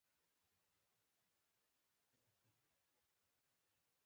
طبیعي زیرمې د افغانستان د اقلیمي نظام ښکارندوی ده.